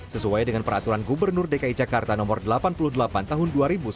sesuai dengan peraturan gubernur dki jakarta no delapan puluh delapan tahun dua ribu sembilan belas